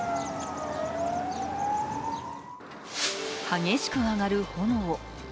激しく上がる炎。